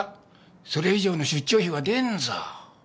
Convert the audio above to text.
それ以上の出張費は出んぞ。